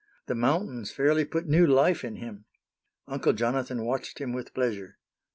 The mountains fairly put new life in him. Uncle Jonathan watched him with pleasure.